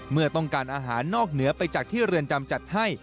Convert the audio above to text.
เมื่อต้องการอาหารนอกเหนือไปจากที่เรือนจำจัดให้